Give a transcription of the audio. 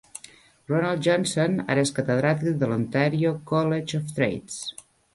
Ronald Johnson ara és catedràtic de l'Ontario College of Trades.